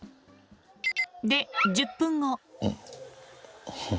で、１０分後。